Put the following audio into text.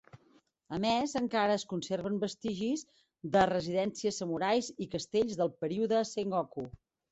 A més encara es conserven vestigis de residències samurais i castells del període Sengoku.